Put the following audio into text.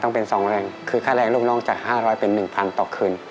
มันเป็นงานกลางคืน